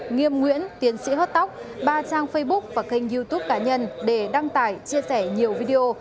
nghiêm nguyễn tiến sĩ hot tóc ba trang facebook và kênh youtube cá nhân để đăng tải chia sẻ nhiều video